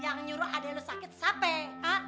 yang nyuruh adek lu sakit siapa